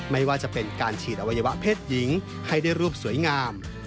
ไม่ว่าจะเป็นการฉีดอวัยวะเพศหญิงให้ได้รูปสวยงาม